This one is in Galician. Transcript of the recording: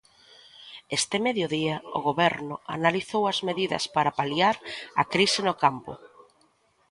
Este mediodía, o Goberno analizou as medidas para paliar a crise no campo.